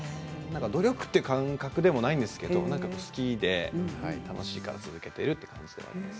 努力という感覚でもないんですけれど好きで楽しいから続けているという感じです。